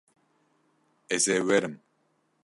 Ez ê werim.